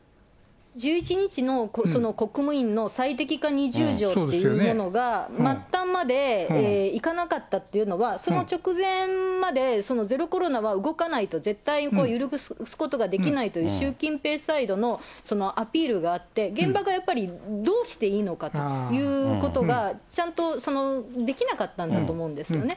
１１日の国務院の最適化２０条っていうものが末端までいかなかったっていうのは、その直前までゼロコロナは動かないと、絶対揺るがすことができないというのは、習近平サイドのアピールがあって、現場がやっぱり、どうしていいのかということがちゃんとできなかったんだと思うんですよね。